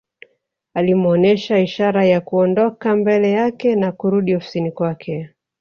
Alimuonesha ishara ya Kuondoka mbele yake na kurudi ofisini kwake